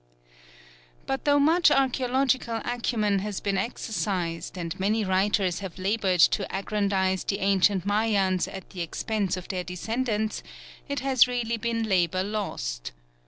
But though much archæological acumen has been exercised and many writers have laboured to aggrandise the Ancient Mayans at the expense of their descendants, it has really been labour lost.